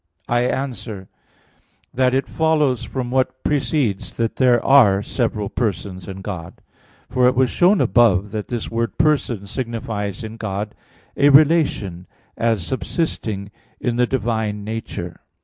I answer that, It follows from what precedes that there are several persons in God. For it was shown above (Q. 29, A. 4) that this word "person" signifies in God a relation as subsisting in the divine nature.